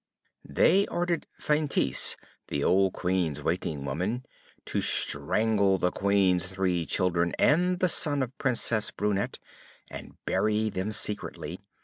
They ordered Feintise, the old Queen's waiting woman, to strangle the Queen's three children and the son of Princess Brunette, and bury them secretly.